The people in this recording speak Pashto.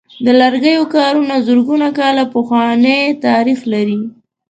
د لرګیو کارونه زرګونه کاله پخوانۍ تاریخ لري.